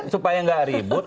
supaya nggak ribut